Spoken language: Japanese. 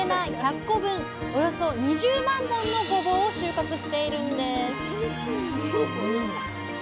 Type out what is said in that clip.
およそ２０万本のごぼうを収穫しているんです